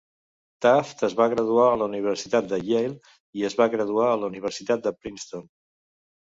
Taft es va graduar a la Universitat de Yale i es va graduar a la Universitat de Princeton.